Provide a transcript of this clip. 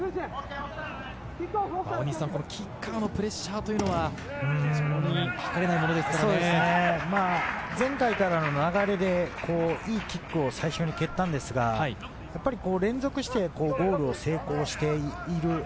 キッカーのプレッシャーというのは、前回からの流れでいいキックを最初に蹴ったんですが、連続してボールを成功している。